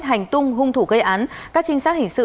hành tung hung thủ gây án các trinh sát hình sự